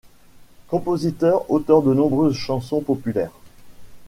Compositeur, auteur de nombreuses chansons populaires.